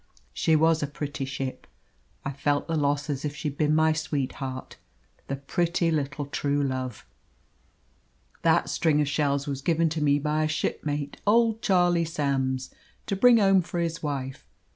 She was a pretty ship! I felt the loss as if she'd been my sweetheart the pretty little True Love! "That string of shells was given to me by a shipmate old Charlie Sams to bring home for his wife.